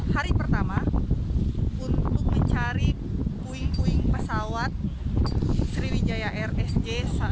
hari pertama untuk mencari kuing kuing pesawat sriwijaya rsj satu ratus delapan puluh dua